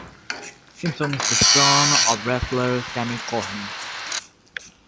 Simpson is the son of wrestler Sammy Cohen.